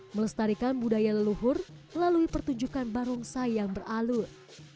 melestarikan budaya leluhur melalui pertunjukan barongsai yang beralur